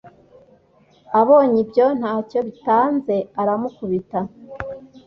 Abonye ibyo nta cyo bitanze aramukubita